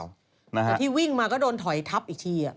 แต่ที่วิ่งมาก็โดนถอยทับอีกที